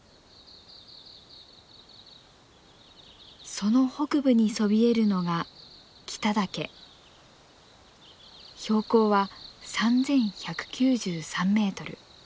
その北部にそびえるのが標高は３，１９３メートル。